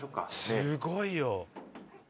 すごいよ。